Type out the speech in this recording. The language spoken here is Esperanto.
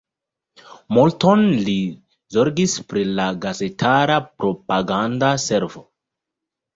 Multon li zorgis pri la gazetara propaganda servo.